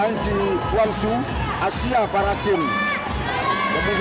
kami berhasil mengambil tuan su asia paragames